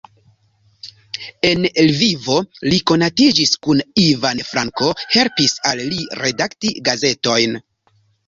En Lvivo li konatiĝis kun Ivan Franko, helpis al li redakti gazetojn.